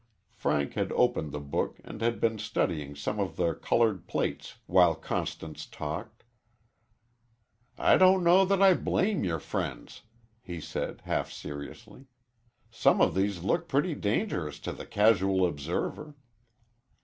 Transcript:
Frank had opened the book and had been studying some of the colored plates while Constance talked. "I don't know that I blame your friends," he said, half seriously. "Some of these look pretty dangerous to the casual observer."